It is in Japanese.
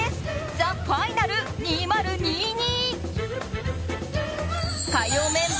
ＴＨＥＦＩＮＡＬ２０２２。